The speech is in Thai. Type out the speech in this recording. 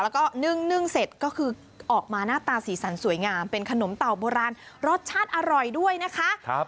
แล้วก็นึ่งเสร็จก็คือออกมาหน้าตาสีสันสวยงามเป็นขนมเต่าโบราณรสชาติอร่อยด้วยนะคะ